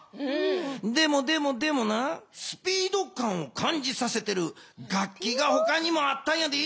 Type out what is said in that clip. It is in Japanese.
でもでもでもなスピード感を感じさせてる楽器がほかにもあったんやで！